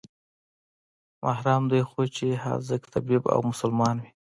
محرم دى خو چې حاذق طبيب او مسلمان وي.